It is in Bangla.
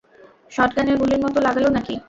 শটগানের গুলির মতো লাগলো নাকি!